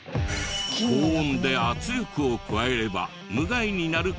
高温で圧力を加えれば無害になる可能性が！